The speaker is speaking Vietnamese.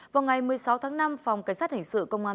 vào ngày một mươi sáu tháng năm phòng cảnh sát hình sự công an